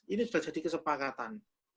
ini sudah jadi kesepakatan